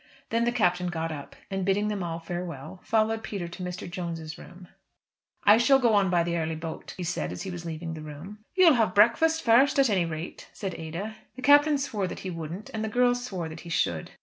Then the Captain got up, and bidding them all farewell, followed Peter to Mr. Jones's room. "I shall go on by the early boat," he said as he was leaving the room. "You'll have breakfast first, at any rate," said Ada. The Captain swore that he wouldn't, and the girls swore that he should.